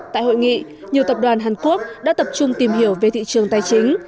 tại hội nghị nhiều tập đoàn hàn quốc đã tập trung tìm hiểu về thị trường tài chính